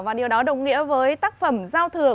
và điều đó đồng nghĩa với tác phẩm giao thừa